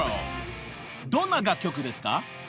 ［どんな楽曲ですか？］